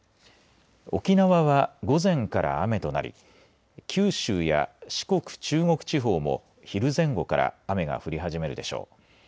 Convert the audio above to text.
沖縄は午前から雨となり九州や四国、中国地方も昼前後から雨が降り始めるでしょう。